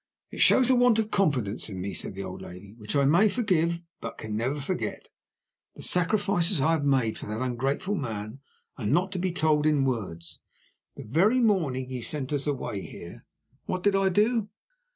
"It shows a want of confidence in me," said the old lady, "which I may forgive, but can never forget. The sacrifices I have made for that ungrateful man are not to be told in words. The very morning he sent us away here, what did I do?